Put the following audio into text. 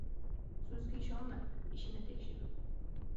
• So‘zga ishonma — ishini tekshir.